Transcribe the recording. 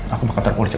aku bakal taruh polisi